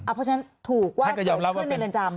เพราะฉะนั้นถูกว่าจะเอาขึ้นในเรือนจำ